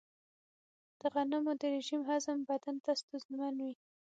د غنمو د رژیم هضم بدن ته ستونزمن و.